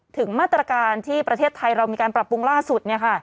ถึงมาตรการที่ประเทศไทยเรามีการปรับปรุงล่าสุด